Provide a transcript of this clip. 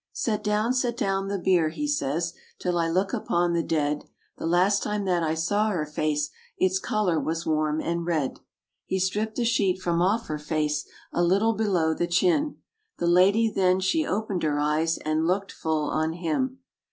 "Set down, set down the bier," he says, 'Till I look upon the dead; The last time that I saw her face, Its color was warm and red." He stripped the sheet from off her face A little below the chin; The lady then she opened her eyes, And looked full on him.